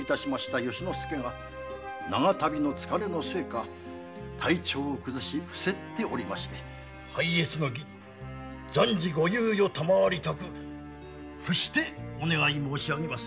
由之助が長旅の疲れのせいか体調を崩し伏せっておりまして拝謁の儀暫時ご猶予を賜りたく伏してお願い申し上げます。